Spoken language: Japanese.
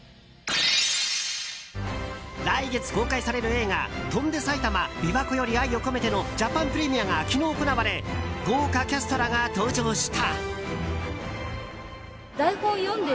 来月公開される映画「翔んで埼玉琵琶湖より愛をこめて」のジャパンプレミアが昨日行われ豪華キャストらが登場した。